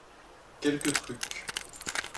quelques trucs.